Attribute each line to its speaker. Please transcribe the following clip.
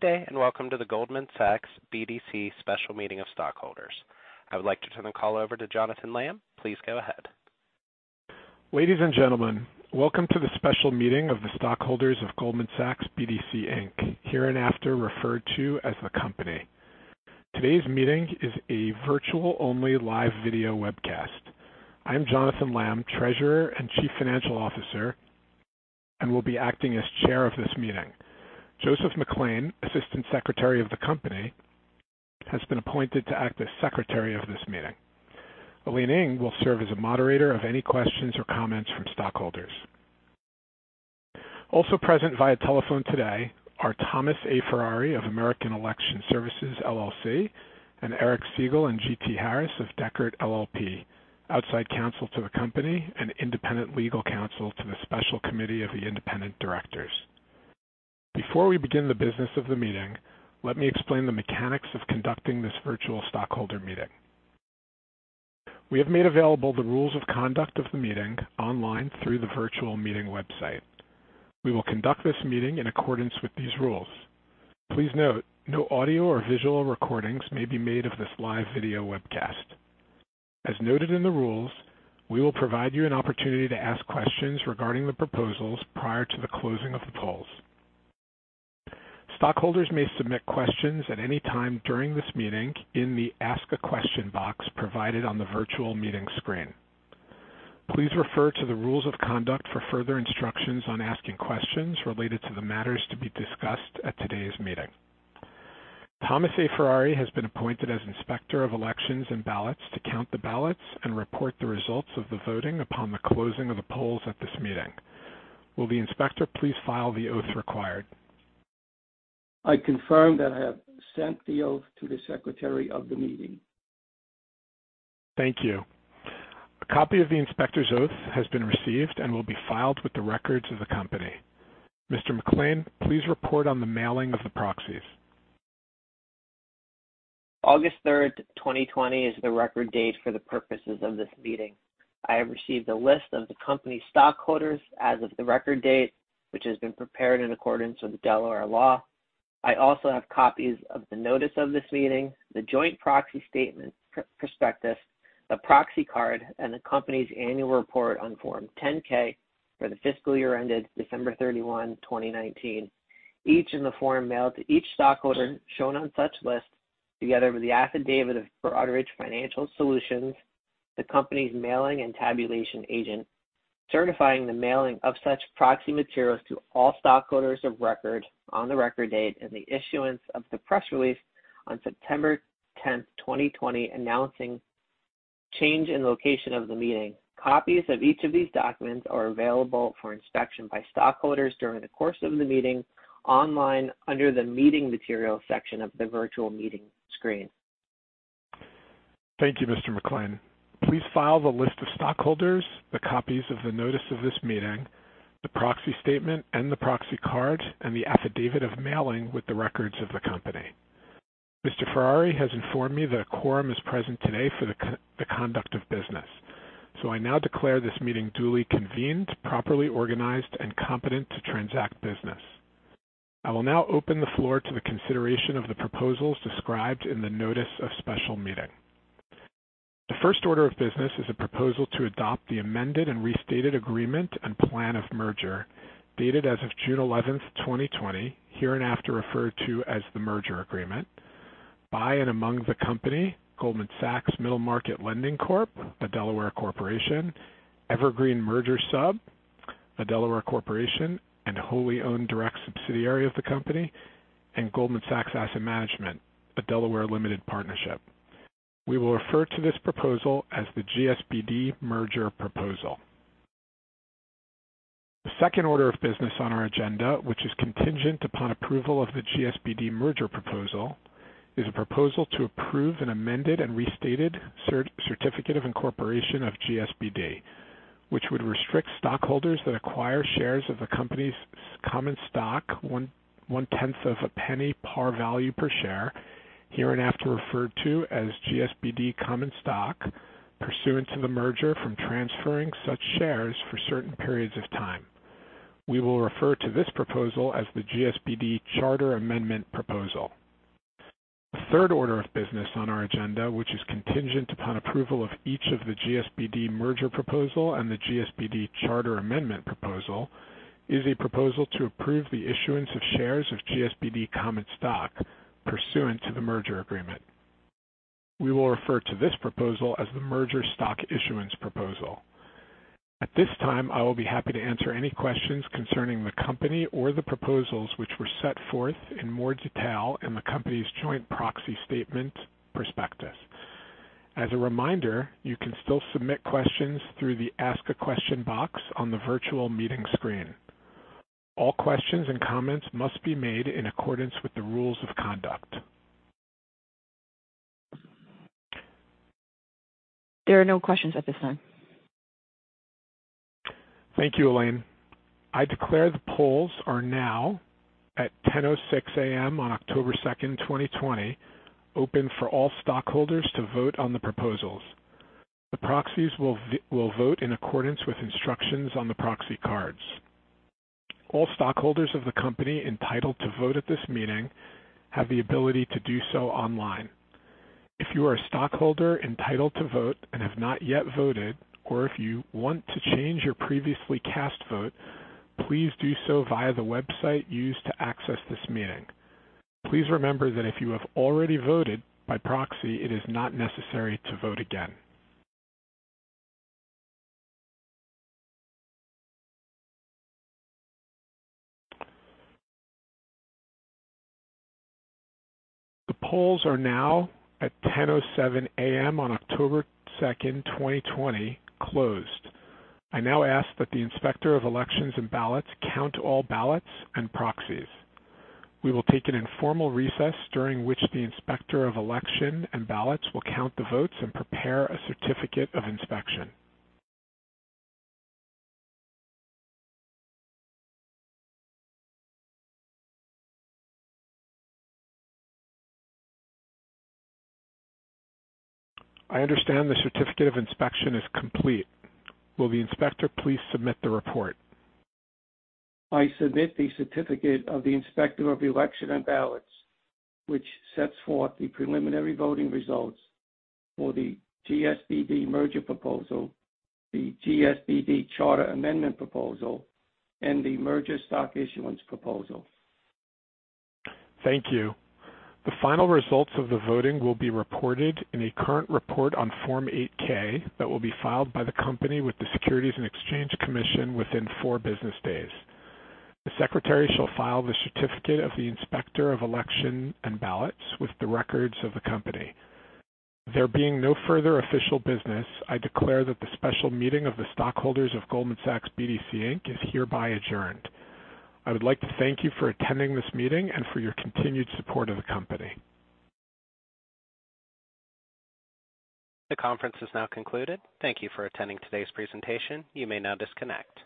Speaker 1: Good day and welcome to the Goldman Sachs BDC Special Meeting of Stockholders. I would like to turn the call over to Jonathan Lamm. Please go ahead.
Speaker 2: Ladies and gentlemen, welcome to the Special Meeting of the Stockholders of Goldman Sachs BDC, here and after referred to as the Company. Today's meeting is a virtual-only live video webcast. I'm Jonathan Lamm, Treasurer and Chief Financial Officer, and will be acting as Chair of this meeting. Joseph McClain, Assistant Secretary of the Company, has been appointed to act as Secretary of this meeting. Elaine Ng will serve as a moderator of any questions or comments from stockholders. Also present via telephone today are Thomas A. Ferrari of American Election Services LLC and Eric Siegel and G.T. Harris of Dechert LLP, outside counsel to the Company and independent legal counsel to the Special Committee of the Independent Directors. Before we begin the business of the meeting, let me explain the mechanics of conducting this virtual stockholder meeting. We have made available the rules of conduct of the meeting online through the virtual meeting website. We will conduct this meeting in accordance with these rules. Please note, no audio or visual recordings may be made of this live video webcast. As noted in the rules, we will provide you an opportunity to ask questions regarding the proposals prior to the closing of the polls. Stockholders may submit questions at any time during this meeting in the Ask a Question box provided on the virtual meeting screen. Please refer to the rules of conduct for further instructions on asking questions related to the matters to be discussed at today's meeting. Thomas A. Ferrari has been appointed as Inspector of Elections and Ballots to count the ballots and report the results of the voting upon the closing of the polls at this meeting. Will the Inspector please file the oath required?
Speaker 3: I confirm that I have sent the oath to the Secretary of the Meeting.
Speaker 2: Thank you. A copy of the Inspector's oath has been received and will be filed with the records of the Company. Mr. McClain, please report on the mailing of the proxies.
Speaker 4: August 3rd, 2020, is the record date for the purposes of this meeting. I have received a list of the Company's stockholders as of the record date, which has been prepared in accordance with Delaware law. I also have copies of the notice of this meeting, the joint proxy statement, prospectus, the proxy card, and the Company's annual report on Form 10-K for the fiscal year ended December 31, 2019, each in the form mailed to each stockholder shown on such list, together with the affidavit of Broadridge Financial Solutions, the Company's mailing and tabulation agent, certifying the mailing of such proxy materials to all stockholders of record on the record date, and the issuance of the press release on September 10th, 2020, announcing change in location of the meeting. Copies of each of these documents are available for inspection by stockholders during the course of the meeting online under the Meeting Materials section of the virtual meeting screen.
Speaker 2: Thank you, Mr. McClain. Please file the list of stockholders, the copies of the notice of this meeting, the proxy statement and the proxy card, and the affidavit of mailing with the records of the Company. Mr. Ferrari has informed me that a quorum is present today for the conduct of business, so I now declare this meeting duly convened, properly organized, and competent to transact business. I will now open the floor to the consideration of the proposals described in the notice of special meeting. The first order of business is a proposal to adopt the Amended and Restated Agreement and Plan of Merger dated as of June 11, 2020, hereinafter referred to as the Merger Agreement, by and among the Company, Goldman Sachs Middle Market Lending Corp., a Delaware corporation, Evergreen Merger Sub, a Delaware corporation and wholly owned direct subsidiary of the Company, and Goldman Sachs Asset Management, a Delaware limited partnership. We will refer to this proposal as the GSBD Merger Proposal. The second order of business on our agenda, which is contingent upon approval of the GSBD Merger Proposal, is a proposal to approve an amended and restated certificate of incorporation of GSBD, which would restrict stockholders that acquire shares of the Company's common stock, 1/10 of a penny par value per share, hereinafter referred to as GSBD Common Stock, pursuant to the merger from transferring such shares for certain periods of time. We will refer to this proposal as the GSBD Charter Amendment Proposal. The third order of business on our agenda, which is contingent upon approval of each of the GSBD Merger Proposal and the GSBD Charter Amendment Proposal, is a proposal to approve the issuance of shares of GSBD Common Stock, pursuant to the merger agreement. We will refer to this proposal as the Merger Stock Issuance Proposal. At this time, I will be happy to answer any questions concerning the Company or the proposals which were set forth in more detail in the Company's joint proxy statement, prospectus. As a reminder, you can still submit questions through the Ask a Question box on the virtual meeting screen. All questions and comments must be made in accordance with the rules of conduct.
Speaker 5: There are no questions at this time.
Speaker 2: Thank you, Elaine. I declare the polls are now at 10:06 A.M. on October 2, 2020, open for all stockholders to vote on the proposals. The proxies will vote in accordance with instructions on the proxy cards. All stockholders of the Company entitled to vote at this meeting have the ability to do so online. If you are a stockholder entitled to vote and have not yet voted, or if you want to change your previously cast vote, please do so via the website used to access this meeting. Please remember that if you have already voted by proxy, it is not necessary to vote again. The polls are now at 10:07 A.M. on October 2, 2020, closed. I now ask that the Inspector of Elections and Ballots count all ballots and proxies. We will take an informal recess during which the Inspector of Election and Ballots will count the votes and prepare a certificate of inspection. I understand the certificate of inspection is complete. Will the Inspector please submit the report?
Speaker 3: I submit the certificate of the Inspector of Election and Ballots, which sets forth the preliminary voting results for the GSBD Merger Proposal, the GSBD Charter Amendment Proposal, and the Merger Stock Issuance Proposal.
Speaker 2: Thank you. The final results of the voting will be reported in a current report on Form 8-K that will be filed by the Company with the Securities and Exchange Commission within four business days. The Secretary shall file the certificate of the Inspector of Election and Ballots with the records of the Company. There being no further official business, I declare that the Special Meeting of the Stockholders of Goldman Sachs BDC is hereby adjourned. I would like to thank you for attending this meeting and for your continued support of the Company.
Speaker 1: The conference is now concluded. Thank you for attending today's presentation. You may now disconnect.